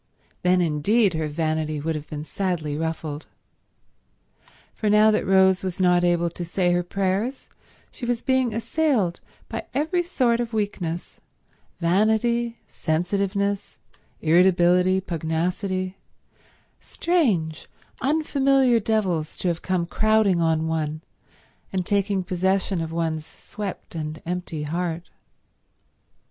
Then indeed her vanity would have been sadly ruffled. For now that Rose was not able to say her prayers she was being assailed by every sort of weakness: vanity, sensitiveness, irritability, pugnacity —strange, unfamiliar devils to have coming crowding on one and taking possession of one's swept and empty heart.